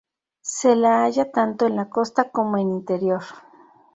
Se la halla tanto en la costa como en interior.